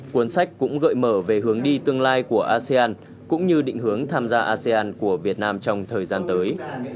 cuốn sách cũng gợi mở về hướng đi tương lai của asean cũng như định hướng tham gia asean của việt nam trong thời gian tới